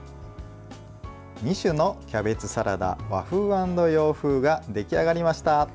２種のキャベツサラダ和風＆洋風が出来上がりました。